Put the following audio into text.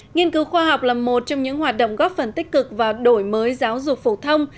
nghiên cứu khoa học là một trong những hoạt động góp phần tích cực vào đổi mới giáo dục phổ thông